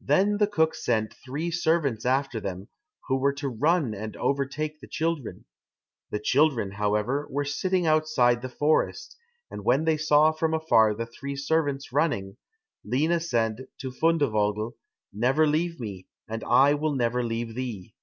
Then the cook sent three servants after them, who were to run and overtake the children. The children, however, were sitting outside the forest, and when they saw from afar the three servants running, Lina said to Fundevogel, "Never leave me, and I will never leave thee."